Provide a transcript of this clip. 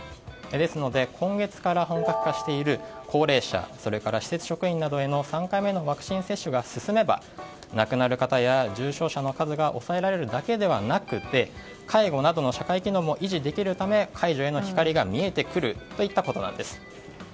ですので、今月から本格化している、高齢者それから施設職員などへの３回目のワクチン接種が進めば亡くなる方や重症者の数が抑えられるだけではなくて介護などの社会機能も維持できるため、解除への光が見えてくるといったことなんです。